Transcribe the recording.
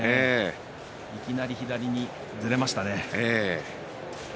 いきなり左にずれましたね。